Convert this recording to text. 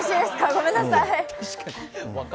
ごめんなさい。